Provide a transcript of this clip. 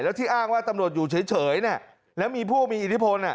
แล้วที่อ้างว่าตำรวจอยู่เฉยแล้วมีผู้มีอิทธิพล